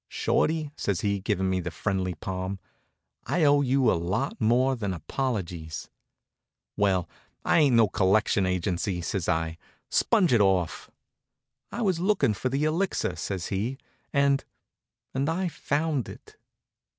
"Shorty," says he, givin' me the friendly palm, "I owe you a lot more than apologies." "Well, I ain't no collection agency," says I. "Sponge it off." "I was looking for the Elixir," says he, "and and I found it."